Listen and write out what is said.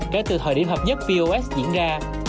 kể từ thời điểm hợp nhất pos diễn ra